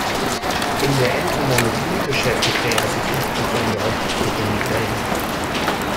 In der Entomologie beschäftigte er sich insbesondere mit den Libellen.